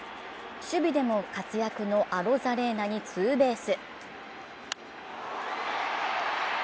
守備でも活躍のアロザレーナにツーベース。